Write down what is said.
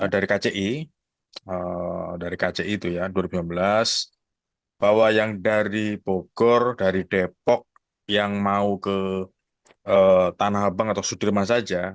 dari kci dari kci itu ya dua ribu sembilan belas bahwa yang dari bogor dari depok yang mau ke tanah abang atau sudirman saja